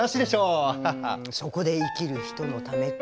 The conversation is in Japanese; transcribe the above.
うんそこで生きる人のためか。